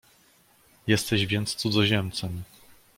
"jesteś więc cudzoziemcem."